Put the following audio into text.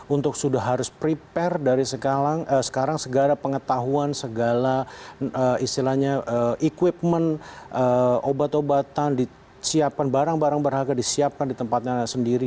untuk sudah harus prepare dari sekarang segala pengetahuan segala istilahnya equipment obat obatan disiapkan barang barang berharga disiapkan di tempatnya sendiri